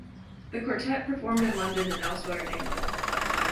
The quartet performed in London and elsewhere in England.